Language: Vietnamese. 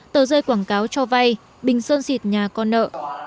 tờ rơi quảng cáo cho vay bình sơn xịt nhà con nợ